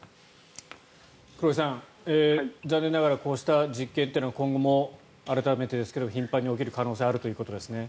黒井さん、残念ながらこうした実験というのは今後も、改めてですが頻繁に起きる可能性があるということですね。